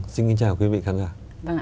xin kính chào quý vị khán giả